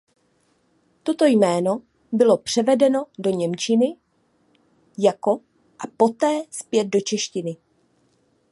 Toto jméno bylo převedeno do němčiny jako a poté zpět do češtiny.